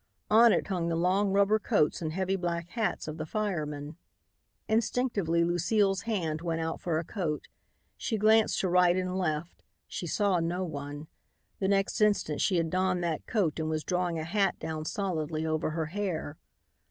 On it hung the long rubber coats and heavy black hats of the firemen. Instinctively Lucile's hand went out for a coat. She glanced to right and left. She saw no one. The next instant she had donned that coat and was drawing a hat down solidly over her hair.